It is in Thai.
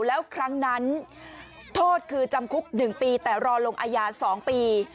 แล้วครั้งนั้นโทษคือจำคุก๑ปีแต่รอลงอาญา๒ปี